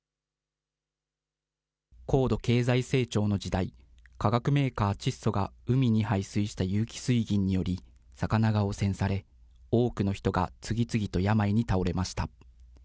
高度経済成長の時代、化学メーカー、チッソが海に排水した有機水銀により魚が汚染され、多くの人が次々と病に倒れました。